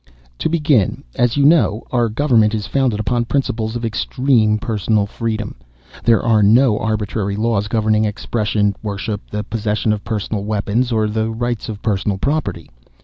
"To begin: As you know, our government is founded upon principles of extreme personal freedom. There are no arbitrary laws governing expression, worship, the possession of personal weapons, or the rights of personal property.